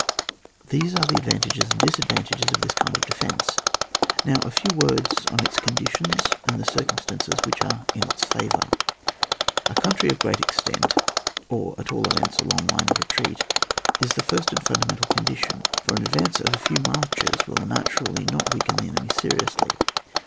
These are the advantages and disad vantages of this kind of defence; now a few words on its conditions and the oircumstances which are in its favour. A country of great extent, or at all events, a long line of retreat, is the first and fundamental condition ; for an ad vance of a few marches will naturally not weaken the enemy seriously.